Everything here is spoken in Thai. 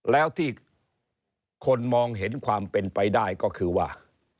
แล้วที่คนมองเห็นความเป็นไปได้ก็คือว่า